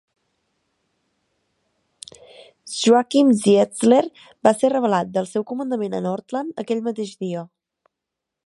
Joachim Ziegler va ser revelat del seu comandament a "Nordland" aquell mateix dia.